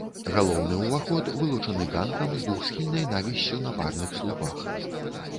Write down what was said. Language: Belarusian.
Галоўны ўваход вылучаны ганкам з двухсхільнай навіссю на парных слупах.